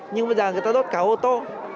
nhưng bây giờ người ta đốt cả ô tô